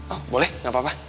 oh boleh gak apa apa